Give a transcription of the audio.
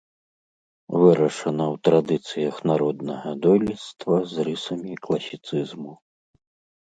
Вырашана ў традыцыях народнага дойлідства з рысамі класіцызму.